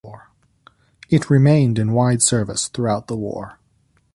It remained in wide service throughout the war.